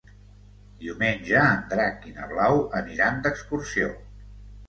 Diumenge en Drac i na Blau aniran d'excursió.